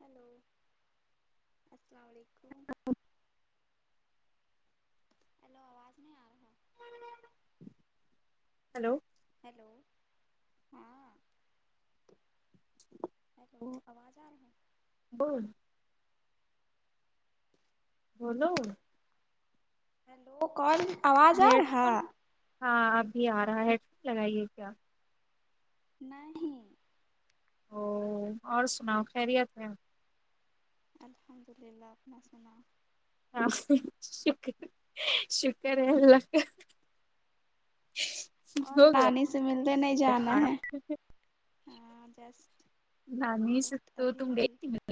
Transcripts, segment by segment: hello السلام وعلیکم [unintelligible] hello آواز نہیں آرہی ہیلو ہیلو ہاں تو وہ آواز آ رہی ہیں [unintelligible] بولو ہیلو کون ہیڈ فون ہاں اب بھی آ رہا ہے ہیڈ فون لگائیے کیا نہیں او اور سناؤ خیریت ہے الحمد اللہ اپنا سناؤ ہاں شکر شکر ہے اللہ کا اور ہو گیا نانی سے ملنے نہیں جانا ہے ہاں جسٹ جسٹ ابھی ابھی [unintelligible]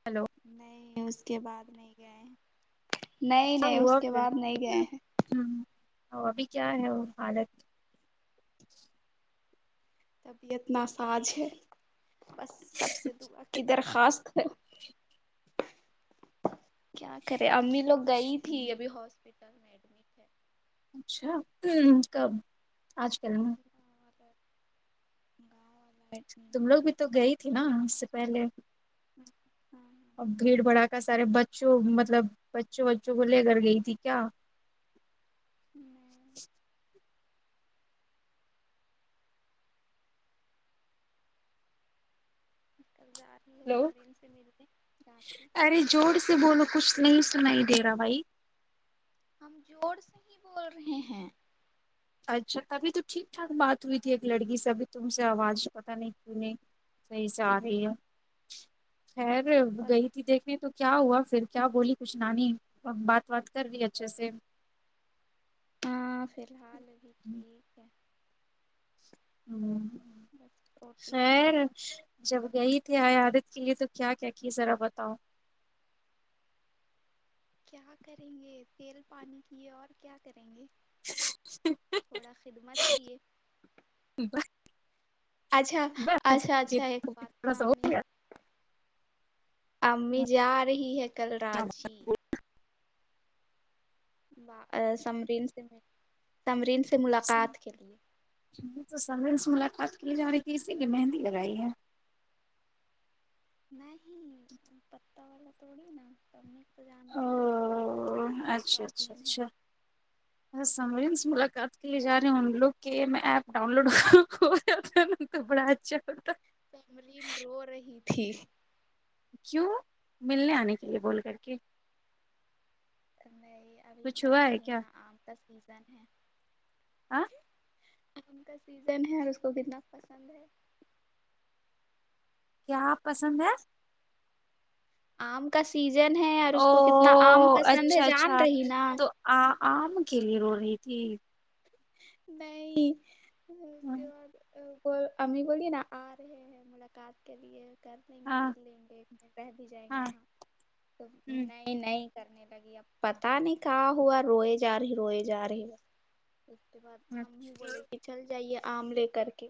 ہیلو نہیں اس کے بعد نہیں گئے نہیں نہیں اس کے بعد نہیں گئے ہیں ہ ابھی کیا ہے وہ حالت طبیعت ناساز ہے بس سب سے دعا کی درخواست ہے کیا کرے امی لوگ گئی تھی ابھی ہاسپٹل میں ایڈمٹ ہے اچھا کب آج کل میں اور [unintelligible] تم میں لوگ بھی تو گئی تھی نا اس سے پہلے ہوں ہوں اب بھیڑ بھڑا کر سارے بچوں مطلب بچوں بچوں کو لے کر گئی تھی کیا میں کل جا رہی ہے ہیلو سمرین سے ملتے راناچی ارے ہم زور سے بولو کچھ نہیں سن ہی دے رہا بھائی ہم جوڑ سے ہی بول رہے ہیں اچھا تبھی تو ٹھیک ٹھاک بات ہوئی تھی ایک لڑکی سے اب تم سے آواز پت نہیں کیوں نہیں صحیح سے آ رہی ہے خیر پتا گئی تھی دیکھنے تو کیا ہوا پھر کیا بولی کچھ نانی بات بات کر رہی اچھے سے ہاں فی الحال بھی ٹھیک ہے بس پروٹین سر والا [unintelligible] جب گئی تھی آ عادت کے لیے تو کیا کیا کی ذرا بتاؤ کیا کریں گے تیل پانی کی اور کیا کریں گے تھوڑا خدمت کیے بس اچھا اچھا اچھا تھوڑا ایک بات سا ہو گیا امی جا رہی ہے کل رانچی سمرین سے سمرین سے ملاقات کے لیے تو سمرین سے ملاقات کی جا رہی تھی اسی لیے مہندی لگائی ہے نہیں تو کتا والا توڑی نا تو امی تو جانتی ہے کتنا شوقین ہے بسمری سے ملاقات کے لیے جا رہے ہ ان لوگ کے میں ایپ ڈاؤن لوڈ ہو ن بڑا اچھا ہوتا سمرین رو رہی تھی کیوں ملنے آنے کے لیے بول کر کے نہیں ابھی کچھ ہوا جان ہے گئی کیا نہ عام کا سیزن ہے ہاں عام سیزن ہے اور اس کو کتنا پسند ہے کیا پسند ہے آم کا سیزن ہے اور اس کو کتنا آم او پسند ہے جان رہی نا آ آم کے لیے رو رہی تھی نہیں وہ امی بولیے نا آ رہے ہیں ملاقات کے لیے کر لیں گے ہاں مل لیں گے ایک رہہ بھی جائیں گے ہاں وہاں تو نئے نہیں کرنے لگی اب پتا نہیں کہا ہوا روئے جا رہی روئے جا رہی اس کے بعد ہم ہی بولے کہ چل جائیے آم لے کر کے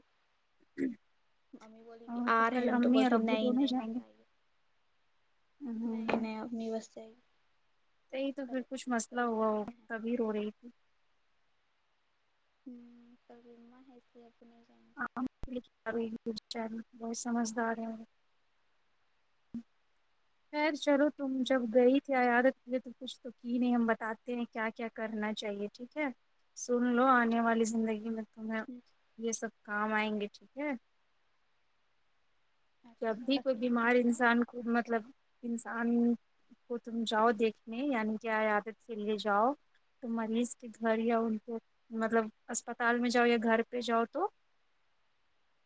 امی بولی کہ آ رہے کل ہم تو امی بول اور رہے ابو نہیں دونوں نہیں جائیں مت گے آئے نہیں نہیں اپنی بس ہی یہی تو پھر کچھ مثلا ہوا ترجمہ ہو نا ہے تبھی رو رہی تھی ہوں کما ہے اس لیےپ نہیں جان گ ی چینل بہت سمجھدار ہے [unintelligible] خیر چلو تم جب گئی ہمم کیا عادت کیے تو کچھ تو کی نہیں ہم بتاتے ہیں کیا کیا کرنا چاہیے ٹھیک ہے سن لو آنے والی زندگی میں تویں یہ سب کام آئیں گے ٹھیک ہے جب بھی اچھا کوئی ٹھیک ہے بیمار بتاؤ انسان کو مطلب انسان وہ تم جاؤ دیکھنے یعنی کہ ایادت کے لیے جاؤ تو مریض کے گھر یا ان کو مطلب اسپتال میں جاؤ یا گھر پہ جاؤ تو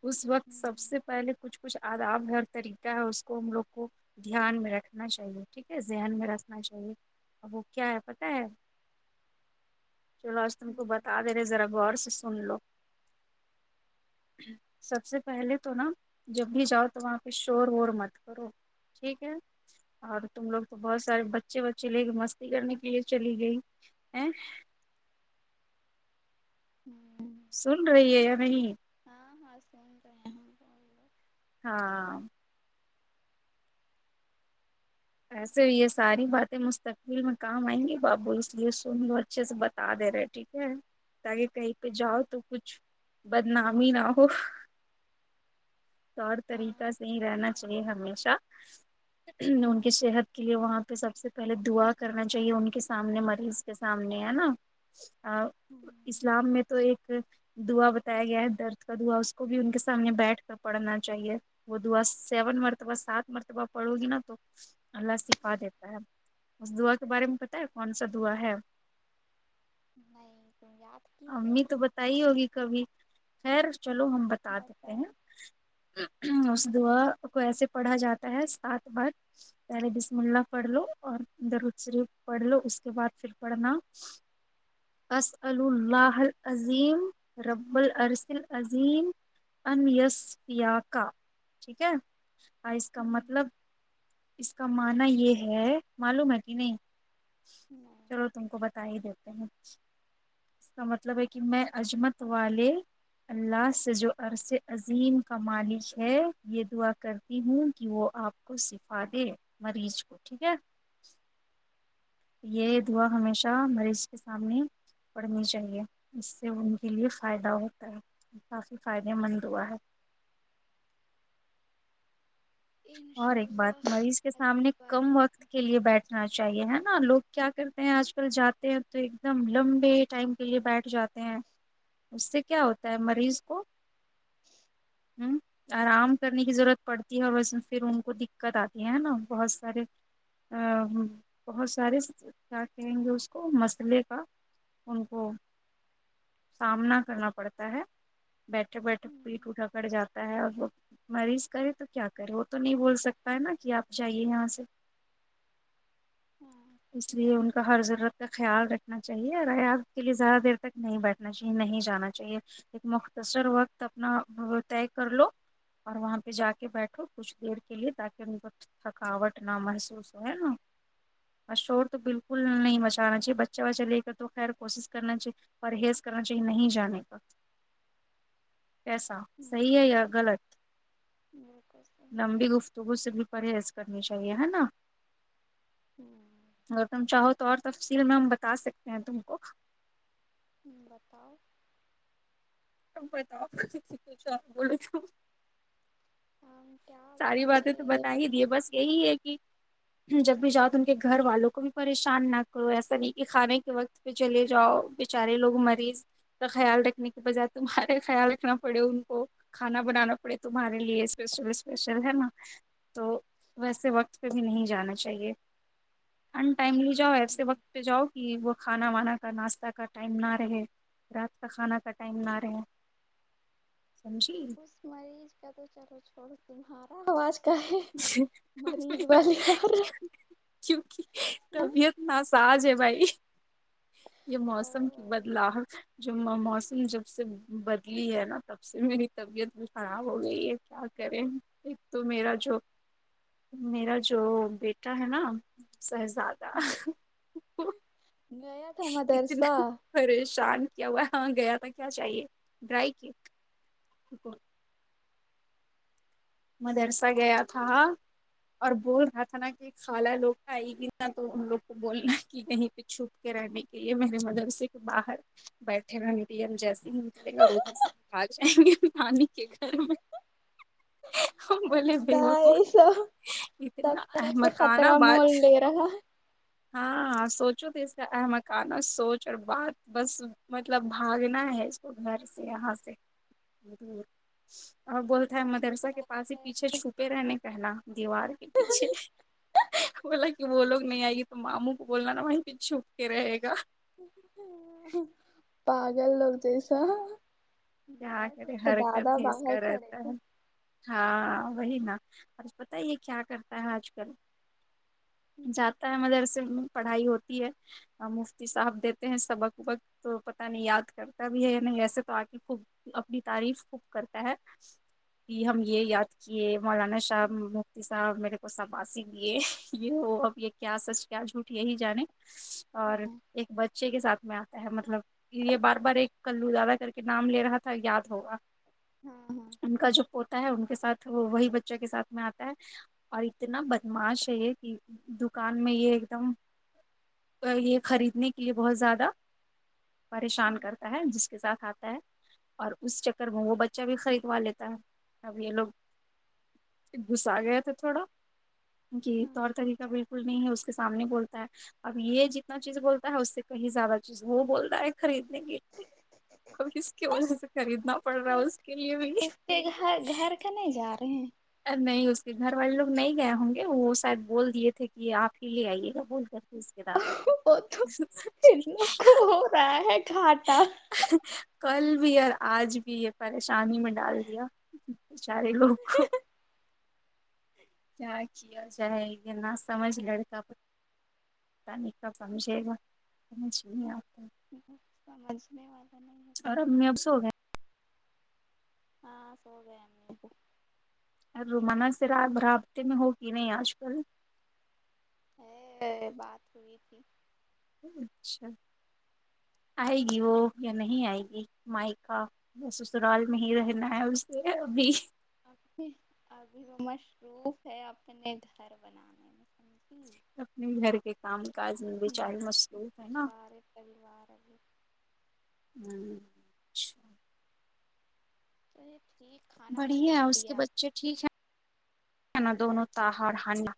اس وقت سب ہمم سے پہلے کچھ کچھ آداب ہر طریقہ ہے اس کو ہم لوگ کو دھیان میں رکھنا چاہیے ٹھیک ہے ذہن میں رکھنا چاہیے اور وہ کیا ہے پتا ہے چلو آج تم کو ہمم بتا دے رہے ذرا غور سے سن لو سب سے پہلے تو نا جب بھی جاؤ تو وہاں پہ شور وور مت کرو ٹھیک ہے اور تم لوگ تو بہت سارے بچے بچے لے کے مستی کرنے کے لیے چلی گئی ہے ہمم سن رہی ہے یا نہیں ہاں ہاں سن رہے ہیں ہم تو ہاں ایسے یہ ساری باتیں مستقبل میں کام آئیں گی بابو اس لیے سن لو اچھے سے بتا دے رہے ٹھیک ہے تاکہ کہیں پہ جاؤ تو کچھ بدنام ہی نہ ہو طور ہاں طریقہ سے ہی صحیح رہنا چاہیے بات ہے ہمیشہ صحت کے لیے وہاں پہ سب سے پہلے دعا کرنا چاہیے ان کے سامنے مریض کے سامنے ہے نا ا ہمم اسلام میں تو ایک دعا بتایا گیا ہے درد کا دوا اس کو بھی ان کے سامنے بیٹھ کر پڑھنا چاہیے وہ دعا سیون مرتبہ سات مرتبہ پڑو گی نا تو اللہ شفا دیتا ہے اس دعا کے بارے میں پتا ہے کون سا دعا ہے نہیں کو ہی یاد کی ہے امی تو بتائی ہوگی کبھی خیر چلو ہم بتا دیتے بتائیں ہیں اس دعا کو ایسے پڑھا جاتا ہے سات بار پہلے بسم اللہ پڑھ لو اور در شریف پڑھ لو اس کے بعد پھر پڑھنا بس ال [unintelligible] االلہ حال عظیم رب ال ارسل عظیم انسیا کا ٹھیک ہے اس کا مطلب اس کا معنی یہ ہے معلوم ہے کہ نہیں ہوں چلو تم کو بتا ہی دیتے ہیں اس کا مطلب ہے کہ میں اجمت والے اللہ سے جو عرض عظیم کا مالک ہے یہ دعا کرتی ہوں کہ وہ آپ کو شفا دے مریض کو ٹھیک ہے یہ دعا ہمیشہ مریض کے سامنے پڑھنی چاہیے اس سے ان کے لیے فائدہ ہوتا ہے کافی فائدے مند دعا ہے اور انشاء ایک بات اللہ مریض کے سامنے اگلی بار کم وقت ملیں کے لیے بیٹھ چاہیے ہے نا لوگ کیا کرتے ہیں آج کل جاتے ہیں تو ایک دم لمبے ٹائم کے لیے بیٹھ جاتے اس سے کیا ہوتا ہے مریض کو ہ آرام کرنے کی ضرورت پڑتی ہے اور بس پھر ان کو دقت آتی ہے نا بہت سارے ا بہت سارے کیا کہیں گے اس کو مسئلے کا ان کو سامنا کرنا پڑتا ہے بیٹھے بیٹھے پیٹ اکڑ جاتا ہے اور وہ مریض کرے تو کیا کرے وہ تو نہیں بول سکتا ہے نا کہ آپ جائیے یہاں سے ہاں اس صحیح لیے ان بات ہے کا ہر ضرورت کا خیال رکھنا چاہیے رایات کے لیے زیادہ دیر تک نہیں بیٹھنا چاہیے نہیں جانا چاہیے ایک مختصر وقت اپنا طے کر لو اور وہاں پہ جا کے بیٹھو کچھ دیر کے لیے تاکہ ان کو تھکاوٹ نہ محسوس ہوئے نا اور شور تو بالکل نہیں بچانا چاہے بچے بچہ لے کر تو خیر کوشش کرنا چاہیے پرہیز کرنا چاہیے نہیں جانے کا کیسا صحیح ہے یا غلط بالکل صحیح لمبی گفتگو سے بھی پرہیز کرنی چاہیے ہے نا اگر تم چاہو تو اور تفصیل میں ہم بتا سکتے ہیں تم کو بتاؤ بتا آپ [unintelligible] بول تو ہم کیا ساری باتیں تو بولے بتا ہی دیے بس یہی ہے کہ جب بھی جاؤ تو ان کے گھر والوں کو بھی پریشان نہ کرو ایسا نہیں کہ کھانے کے وقت پہ چلے جاؤ بےچارے لوگ مریض کا خیال رکھنے کے بج تمہارے خیال رکھنا پڑے ان کو کھانا بنانا پڑے تمہارے لیے اسپیشل اسپیشل ہے نا تو ویسے وقت پہ بھی نہیں جانا چاہیے ہ ٹائملی جاؤ ایسے وقت پہ جاؤ کہ وہ کھانا وانا کا ناشتہ کا ٹائم نہ رہے رات کا کھانا کا ٹائم نہ رہا سمجی اس مریض ک چلو چھوڑ تمہارا آواز کا ہے مریض میرا والی آرہ کیونکہ طبیعت ن ساج ہے بھائی یہ او موسم کی بدلاؤ جو موسم جب سے بدلی ہے نا تب سے میری طبیعت بھی خراب ہو گئی ہے کیا کریں ایک تو میرا جو میرا جو بیٹا ہے نا سہزادہ نیا تھا مدرسا اتنا پریشان کیا ہوا ہاں گیا تھا کیا چاہیے ڈرائی کیک مدرسہ گیا تھا اور بول رہا تھا نا کہ خالہ لوگ آی وی بھی نہا تو ان لوگ کو بولنا کہ کہیں پہ چھپ کے رہنے کے میرے مدر سے باہر بیٹھے رہنے پ ایم جیسے نکلے گا روز سے کھا جائیں گے پانی کے گھر میں بولے بی اللہ مک ایسا سب اتنا طرف سے مکان آ خطرہ باد مول لے رہا ہے ہاں ہ سوچو ت اس ای م کانا سوچ اور بات بس مطلب باگنا ہے یر سے یہاں سے اور بہت مدرسہ کے پاس ہی پیچھے چھپے رہنے کہنا دیوار کے پیچھے بیچارہ بولا کہ بول لوگ نہیں آئے گی تو ماموں کو بولنا نا وہ پھر چھپ کے رہے گا پاگل لوگ جیسا کیا بس کرے تو زدہ حرکت ہی اس باہر کا کھڑے رہتا تھے ہے ہاں وہی نا اور پت ہی یہ کیا کرتا ہے آج کل جاتا ہے مدر سے پڑھائی ہوتی ہے مفتی صاحب دیتے ہیں سبق وبک تو پتہ نہیں یاد کرتا بھی ہے یا نہیں ایسے تو آگ خب اپنی تعریف خوب کرتا ہے کہ ہم یہ یاد کیے مولانا شاہ سا میرے کو سباس گے یہ ہو اب یہ کیا سچ کیا جھوٹ یہی جانے اور ہاں ایک اچھے کے ساتھ میں آتا ہے مطلب یہ بار بار ایک کلو زیادہ کر کے نام لے رہا تھا یاد ہوگا ہاں ان کا جو پوتا ہے ان کے ساتھ وہی بچہ کے ساتھ میں آتا ہے اور اتنا بدماش ہے یہ کہ دکان میں یہ ایک دم یہ خریدنے کے لیے بہت زیادہ پریشان کرتا ہے جس کے ساتھ آتا ہے اور اس چکر میں وہ بچہ بھی خریدوا لیتا ہے اب یہ لوگ گھسا گیا تھا تھوڑا کی ہاں طور طریقہ بالکل بول نہیں ہے اس کے سامنے بولتا ہے اب یہ جتنا چیز بولتا ہے اس سے کہیں زیادہ چیز وہ بولتا ہے خریدنے کی [unintelligible] خریدنا پڑ رہا تو ہے اس کے لیے بھی اس کے گھر گھر کا نہیں جا رہے ار نہیں اس کے گھر والے لوگ نہیں گئے ہوں گے وہ شاید بول دیے تھے کہ آپ ہی لے آئیے گا بول کر اس کے دادا کو ہیں وہ تو ان لوگ کو ہو رہا ہے گھاٹا کل بھی اور آج بھی ہے پریشانی میں ڈال دیا بے چارے لوگ کو کیا کیا جائے یہ نہ سمجھ لڑکا پتا نہیں کب سمجھے گا سمجھ نہیں آتا سمجھنے والے ار ا می اب سو ہو گئے ہاں سو گی رومانہ س رات برابطے میں ہوگ نہیں آج کل ا بات ہوئی تھی اچھا آئے گی وہ یا نہیں آئے گی مائکا با سسرال میں ہی رہنا ہے اس سے ابھی اب ابھی وہ مصروف ہے اپنے گھر بنانے میں سم اپنے گھر کے کام کاج میں بھی چاہی ہوں مصروف ہے نا سارے پریوار بھی ہوں ا ٹھیک کھانا وانا بڑھیا ہے کھا اس کے لیا آپ بچے ٹھیک ہیں ہے نا دونوں تہا اور ہانیہ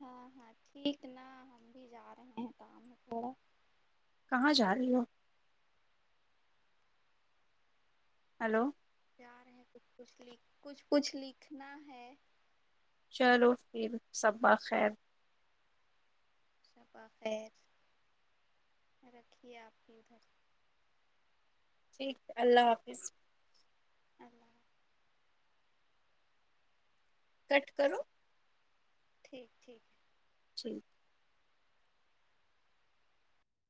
ہاں ہاں ٹھیک نا ہم بھی جا رہے ہیں کام تھوڑا کہاں جا رہی ہو ہیلو جا رہے ہیں کچھ کچھ لک کچھ کچھ لکھنا ہے چلو پھر شبہ خیر شبہ خیر رکھیے آپ کی ادھر ٹھیک اللہ حافظ اللہ کٹ کرو ٹھیک ٹھیک جی